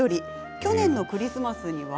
去年のクリスマスには。